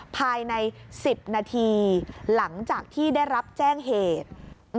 ภายใน๑๐นาทีหลังจากที่ได้รับแจ้งเหตุ